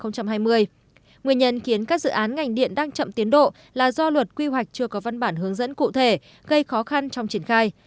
nguyên nhân khiến các dự án ngành điện đang chậm tiến độ là do luật quy hoạch chưa có văn bản hướng dẫn cụ thể gây khó khăn trong triển khai